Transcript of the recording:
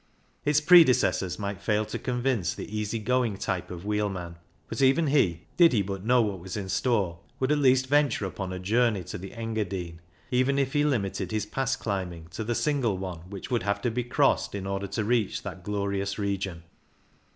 Its pre decessors might fail to convince the easy going type of wheelman, but even he, did he but know what was in store, would at least venture upon a journey to the INTRODUCTORY 7 Engadine, even if he limited his pass climbing to the single one which would have to be crossed in order to reach that glorious region.